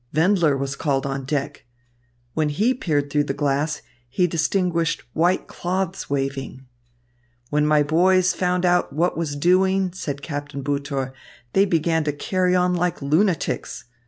Wendler was called on deck. When he peered through the glass, he distinguished white cloths waving. "When my boys found out what was doing," said Captain Butor, "they began to carry on like lunatics.